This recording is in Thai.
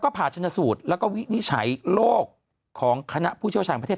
ผ่าชนสูตรแล้วก็วินิจฉัยโลกของคณะผู้เชี่ยวชาญประเทศ